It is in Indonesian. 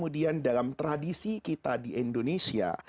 dan dalam tradisi kita di indonesia